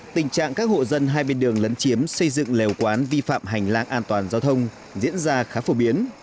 tình trạng các hộ dân hai bên đường lấn chiếm xây dựng lèo quán vi phạm hành lang an toàn giao thông diễn ra khá phổ biến